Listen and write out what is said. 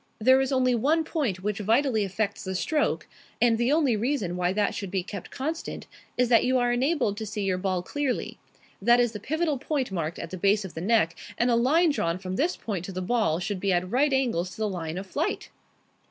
There is only one point which vitally affects the stroke, and the only reason why that should be kept constant is that you are enabled to see your ball clearly. That is the pivotal point marked at the base of the neck, and a line drawn from this point to the ball should be at right angles to the line of flight."